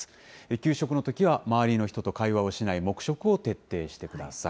給食のときは周りの人と会話をしない黙食を徹底してください。